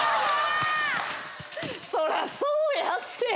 そらそうやって。